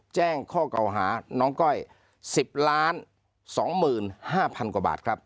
แจ้งข้อเก่าหาน้องก้อย๑๐๒๕๐๐๐กว่าบาทครับ